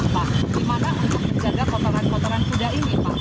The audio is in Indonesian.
nah menjaga kotoran kotoran kuda ini pak